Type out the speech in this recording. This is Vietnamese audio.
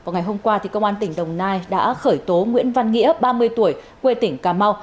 vào ngày hôm qua công an tỉnh đồng nai đã khởi tố nguyễn văn nghĩa ba mươi tuổi quê tỉnh cà mau